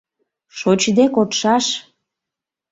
Шочде кодшаш!